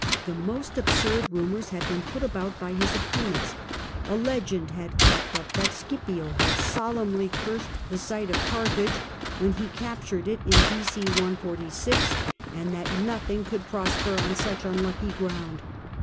The most absurd rumours had been put about by his opponents : a legend had cropped up that Scipio had solemnly cursed the site of Carthage when he captured it in B.C. 146, and that nothing could 76 CAIUS GRACCHUS prosper on such unlucky ground.